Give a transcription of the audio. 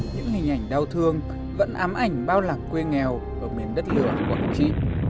những hình ảnh đau thương vẫn ám ảnh bao lạc quê nghèo ở miền đất nước quảng trị